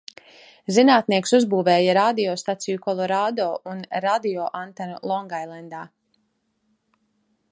Zinātnieks uzbūvēja radiostaciju Kolorādo un radioantenu Longailendā.